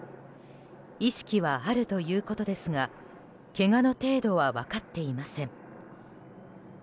意識はあるということですがけがの程度は分かっていません。